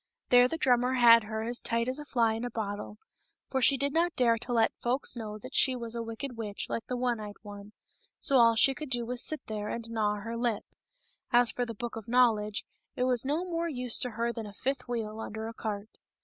There the drummer had her as tight as a fly in a bottle, for she did not dare to let folks know that she was a wicked witch like the one eyed one; so all she could do was to sit there and gnaw her lip. As for the Book of Knowledge, it was no more use to her than a fifth wheel under a cart.